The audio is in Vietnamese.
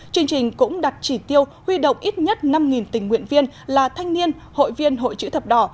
chương trình cũng đặt chỉ tiêu huy động ít nhất năm tình nguyện viên là thanh niên hội viên hội chữ thập đỏ